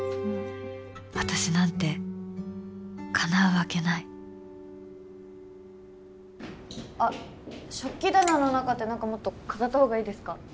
私なんてかなうわけないあっ食器棚の中って何かもっと飾ったほうがいいですか？